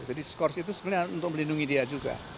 jadi skors itu sebenarnya untuk melindungi dia juga